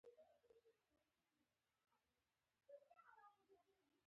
کله چې پوه شې ستا ستونزه حل نه لري.